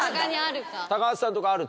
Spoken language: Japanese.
高橋さんとかある？